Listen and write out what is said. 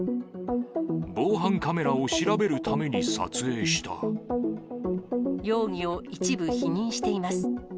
防犯カメラを調べるために撮容疑を一部否認しています。